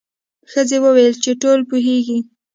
ښځې وویل چې ټول پوهیږي.